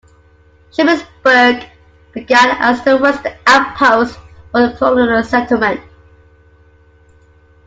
Shippensburg began as the western outpost of colonial settlement.